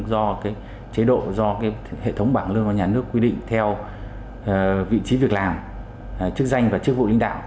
do chế độ do hệ thống bảng lương của nhà nước quy định theo vị trí việc làm chức danh và chức vụ lãnh đạo